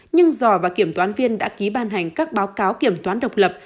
nhưng giò và kiểm toán viên đã ký ban hành các báo cáo kiểm toán độc lập